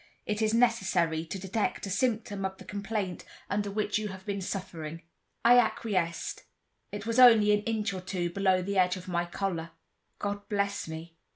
It is necessary, to detect a symptom of the complaint under which you have been suffering." I acquiesced. It was only an inch or two below the edge of my collar. "God bless me!